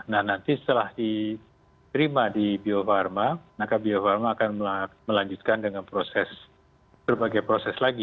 nah nanti setelah di terima di biofarma maka biofarma akan melanjutkan dengan proses berbagai proses lagi